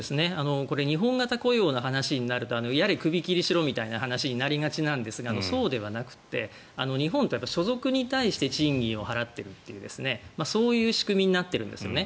日本型雇用の話になるとやれクビ切りしろという話になりがちなんですがそうじゃなくて日本って所属に対して賃金を払っているというそういう仕組みになってるんですよね。